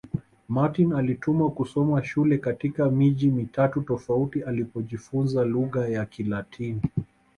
Martin alitumwa kusoma shule katika miji mitatu tofauti alipojifunza lugha ya Kilatini